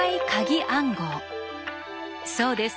そうです。